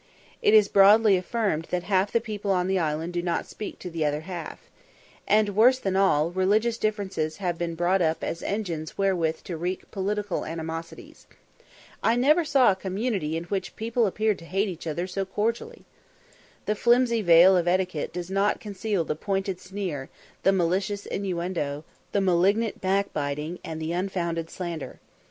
It is broadly affirmed that half the people on the island do not speak to the other half. And, worse than all, religious differences have been brought up as engines wherewith to wreak political animosities. I never saw a community in which people appeared to hate each other so cordially. The flimsy veil of etiquette does not conceal the pointed sneer, the malicious innuendo, the malignant backbiting, and the unfounded slander.